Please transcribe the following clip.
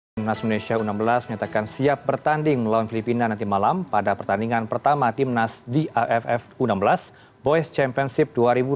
timnas indonesia u enam belas menyatakan siap bertanding melawan filipina nanti malam pada pertandingan pertama timnas di aff u enam belas boys championship dua ribu dua puluh